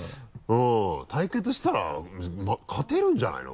対決したら勝てるんじゃないの？